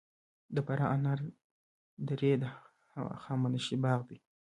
د فراه انار درې د هخامنشي باغ دی